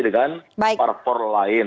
dengan para poro lain